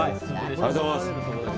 ありがとうございます。